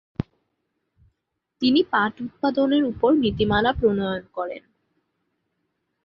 তিনি পাট উৎপাদনের ওপর নীতিমালা প্রণয়ন করেন।